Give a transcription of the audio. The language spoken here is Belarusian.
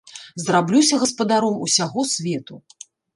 Зраблюся гаспадаром усяго свету.